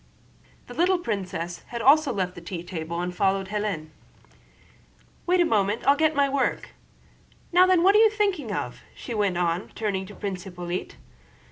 The little princess had also left the tea table and followed Hélène. "Wait a moment, I'll get my work.... Now then, what are you thinking of?" she went on, turning to Prince Hippolyte.